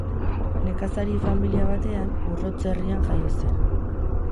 Nekazari familia batean Urrotz herrian jaio zen.